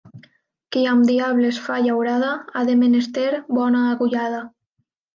Qui amb diables fa llaurada ha de menester bona agullada.